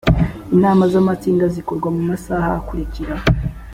inama z amatsinda zikorwa mu masaha akurikira